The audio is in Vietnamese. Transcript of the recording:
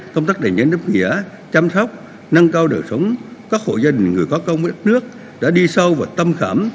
công tác đề nhấn đáp nghĩa chăm sóc nâng cao đời sống các hội dân người có công đất nước đã đi sâu và tâm khảm